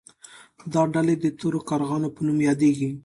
دا ډلې د تورو کارغانو په نوم یادیدلې.